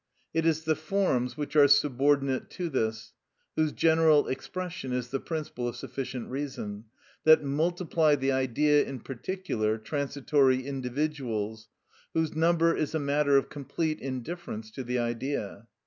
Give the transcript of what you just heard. It is the forms which are subordinate to this (whose general expression is the principle of sufficient reason) that multiply the Idea in particular transitory individuals, whose number is a matter of complete indifference to the Idea.